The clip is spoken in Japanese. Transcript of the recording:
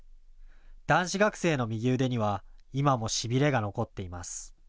男子学生の右腕には今もしびれが残っています。